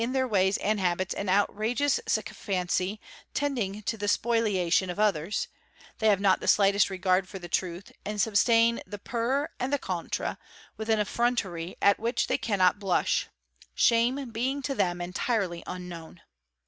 their ways and habits an outrageous sycophancy tending to the spoliation of others; they have not the slightest regard for the truth and sustain the per and the contra with an effrontery at which they cannot blush—shame being to them entirely unknown.